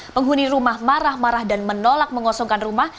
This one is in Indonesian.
penghuni rumah marah marah dan menolak mengosongkan rumah